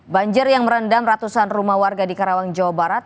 banjir yang merendam ratusan rumah warga di karawang jawa barat